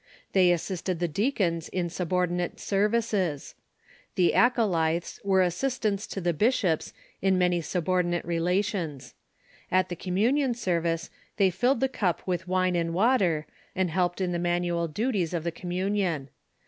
They assisted the deacons in subordinate services. The acolyths were assistants to the bishops in many subordinate ^^ relations. At the communion service they filled the cup with wine and water, and helped, in the manual duties of the communion.